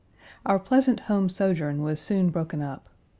Our pleasant home sojourn was soon broken up.